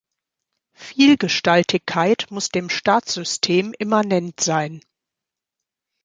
Vielgestaltigkeit muss dem Staatssystem immanent sein.